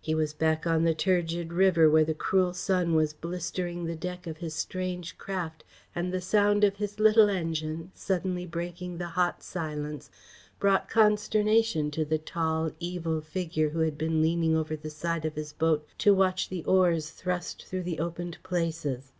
He was back on the turgid river where the cruel sun was blistering the deck of his strange craft, and the sound of his little engine, suddenly breaking the hot silence, brought consternation to the tall, evil figure who had been leaning over the side of his boat to watch the oars thrust through the opened places.